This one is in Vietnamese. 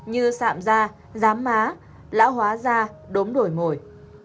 như sạm da giám má lão hóa da đốm đổi mồi